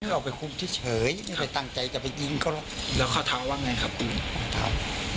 เอาไปคุมเฉยไม่ไปตั้งใจจะไปยิงเขาแล้วเขาถามว่าไงครับตัว